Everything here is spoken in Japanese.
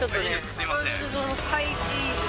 すみません。